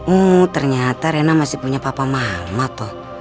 uh ternyata rena masih punya papa mama toh